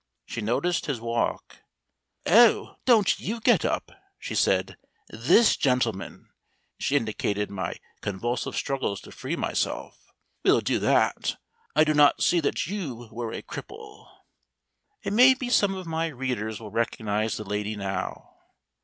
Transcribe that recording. She noticed his walk. "Oh, don't you get up," she said. "This gentleman," she indicated my convulsive struggles to free myself, "will do that. I did not see that you were a cripple." It may be some of my readers will recognise the lady now.